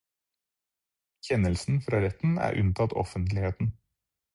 Kjennelsen fra retten er unntatt offentlighet.